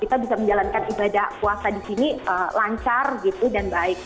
kita bisa menjalankan ibadah puasa di sini lancar gitu dan baik